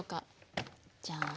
じゃん。